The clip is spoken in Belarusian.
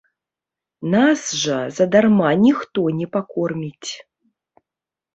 Нас жа задарма ніхто не пакорміць.